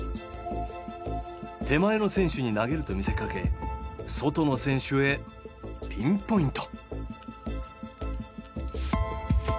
手前の選手に投げると見せかけ外の選手へピンポイント。